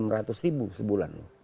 enam ratus ribu sebulan